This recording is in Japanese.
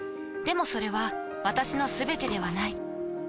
でもそれは私のすべてではない。